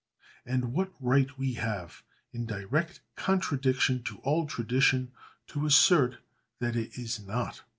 And what right have we, in direct contradiction to all tradition, to assert that it is not?